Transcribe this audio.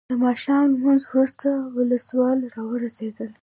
د ماښام لمونځ وروسته ولسوال راورسېد.